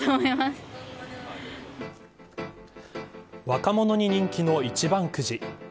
若者に人気の一番くじ。